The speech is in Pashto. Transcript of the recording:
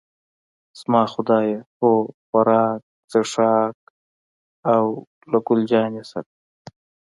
زما خدایه، هو، خوراک، څښاک او له ګل جانې سره.